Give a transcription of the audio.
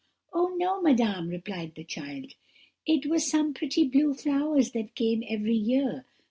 "'Oh, no, madame,' replied the child; 'it was some pretty blue flowers that come every year.